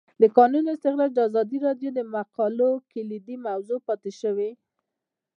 د کانونو استخراج د ازادي راډیو د مقالو کلیدي موضوع پاتې شوی.